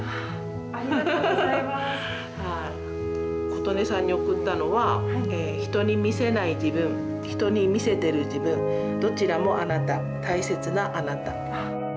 琴音さんに贈ったのは人に見せない自分人に見せてる自分どちらもあなた、大切なあなた。